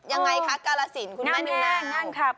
ยังไงคะใกล้สินคุณแม่นแม่งครับ